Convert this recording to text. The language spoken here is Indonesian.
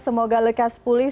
semoga lekas pulih